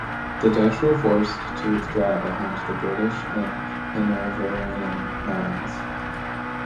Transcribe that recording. The Dutch were forced to withdraw behind the British and Hannoverian lines.